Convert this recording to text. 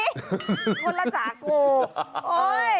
ทนละสาครู